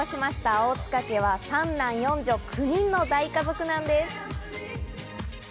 大塚家は３男４女、９人の大家族なんです。